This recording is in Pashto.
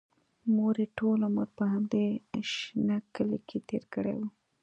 مور یې ټول عمر په همدې شنه کلي کې تېر کړی و